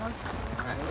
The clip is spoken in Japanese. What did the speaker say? はい。